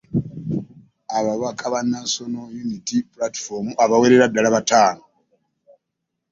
Ababaka ba National Unity Platform abawerera ddala bataano.